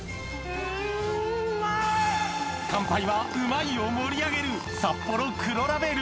乾杯は「うまい！」を盛り上げるサッポロ黒ラベル！